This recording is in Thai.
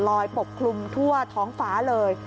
ปกคลุมทั่วท้องฟ้าเลย